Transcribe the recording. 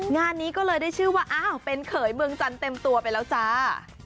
งานนี้ก็เลยได้ชื่อว่าอ้าวเป็นเขยเมืองจันทร์เต็มตัวไปแล้วจ้า